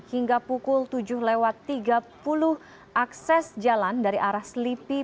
hingga pukul tujuh lewat tiga puluh akses jalan dari arah selipi